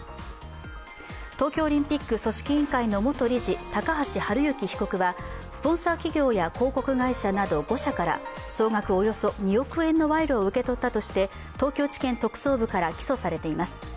東京オリンピック組織委員会の元理事、高橋治之被告はスポンサー企業や広告会社など５社から総額およそ２億円の賄賂を受け取ったとして東京地検特捜部から起訴されています。